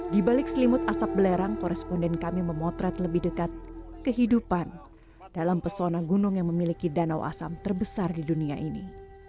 di balik selimut asap belerang koresponden kami memotret lebih dekat kehidupan dalam pesona gunung yang memiliki danau asam terbesar di dunia ini